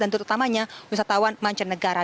dan terutamanya wisatawan mancanegara